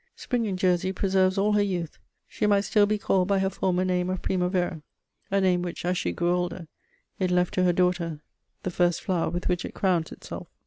Spring in Jersey preserves all her youth; she might still be called by her former name of Primavera, a name which, as she grew older, it left to her daughter, the first flower with which it crowns itself.